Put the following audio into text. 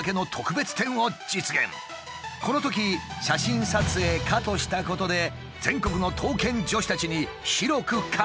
このとき写真撮影可としたことで全国の刀剣女子たちに広く拡散されることに。